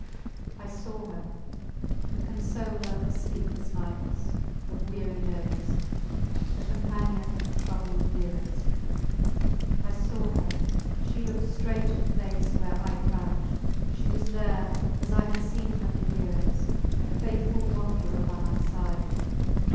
I saw her! The consoler of sleepless nights, of weary days; the companion of troubled years! I saw her! She looked straight at the place where I crouched. She was there as I had seen her for years a faithful wanderer by my side.